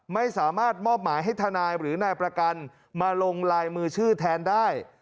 ไม่สามารถมอบหมายให้ทนายหรือนายประกันมาลงลายมือชื่อแทนได้